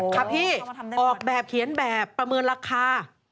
ครับพี่ออกแบบเขียนแบบประเมินราคา